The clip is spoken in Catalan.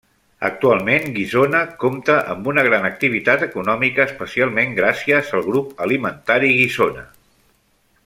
Actualment, Guissona compta amb una gran activitat econòmica especialment gràcies al Grup Alimentari Guissona.